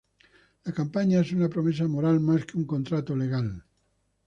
La campaña es una promesa moral más que un contrato legal.